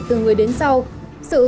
từ người đến sau